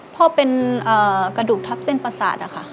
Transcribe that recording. พ่อเป็นกระดูกทับเส้นประสาทนะคะ